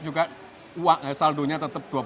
juga saldonya tetap